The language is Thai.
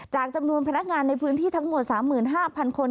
จำนวนพนักงานในพื้นที่ทั้งหมด๓๕๐๐คน